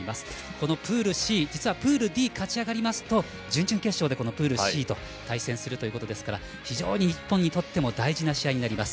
このプールＣ実はプールＤ、勝ち上がりますと準々決勝でプールＣと戦うということですから非常に日本代表にとっても大事な試合になります。